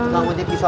tukang ojek di sana